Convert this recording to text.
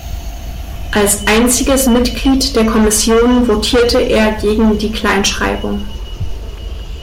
Als einziges Mitglied der Kommissionen votierte er gegen die Kleinschreibung.